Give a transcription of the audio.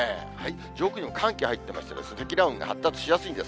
上空にも寒気入ってますので、積乱雲が発達しやすいんです。